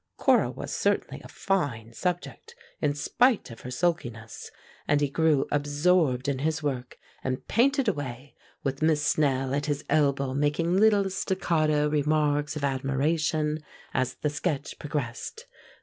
Cora was certainly a fine subject, in spite of her sulkiness, and he grew absorbed in his work, and painted away, with Miss Snell at his elbow making little staccato remarks of admiration as the sketch progressed.